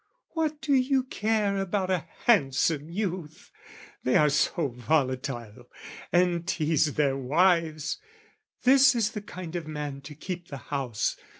"What do you care about a handsome youth? "They are so volatile, and teaze their wives! "This is the kind of man to keep the house.